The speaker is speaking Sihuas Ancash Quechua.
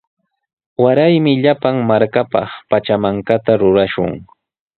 Waraymi llapan markapaq pachamankata rurashun.